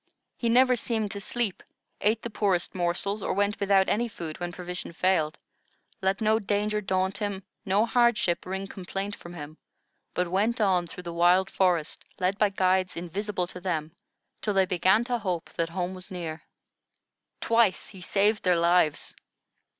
He never seemed to sleep, ate the poorest morsels, or went without any food when provision failed; let no danger daunt him, no hardship wring complaint from him, but went on through the wild forest, led by guides invisible to them, till they began to hope that home was near. Twice he saved their lives.